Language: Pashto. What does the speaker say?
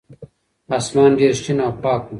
اسمان ډېر شین او پاک و.